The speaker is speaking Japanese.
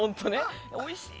おいしい。